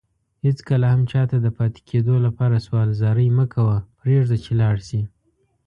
هيڅ کله هم چاته دپاتي کيدو لپاره سوال زاری مکوه پريږده چي لاړشي